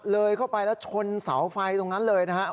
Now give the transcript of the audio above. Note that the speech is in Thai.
เลยเข้าไปแล้วชนเสาไฟตรงนั้นเลยนะครับ